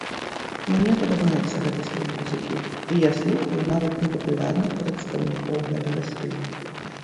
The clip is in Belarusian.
Мне падабаецца гэты стыль музыкі, і я слухаю нават непапулярных прадстаўнікоў гэтага стылю.